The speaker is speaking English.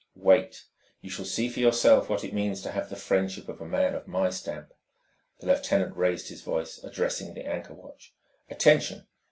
"Wait. You shall see for yourself what it means to have the friendship of a man of my stamp." The lieutenant raised his voice, addressing the anchor watch: "Attention.